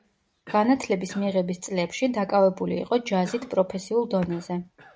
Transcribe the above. განათლების მიღების წლებში, დაკავებული იყო ჯაზით პროფესიულ დონეზე.